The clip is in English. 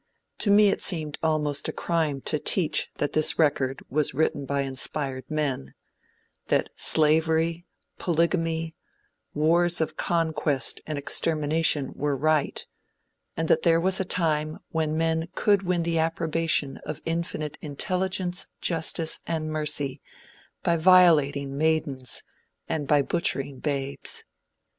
To me it seemed almost a crime to teach that this record was written by inspired men; that slavery, polygamy, wars of conquest and extermination were right, and that there was a time when men could win the approbation of infinite Intelligence, Justice, and Mercy, by violating maidens and by butchering babes.